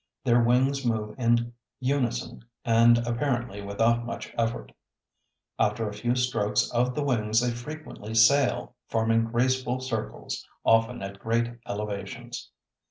Their wings move in unison and apparently without much effort. After a few strokes of the wings they frequently sail, forming graceful circles, often at great elevations.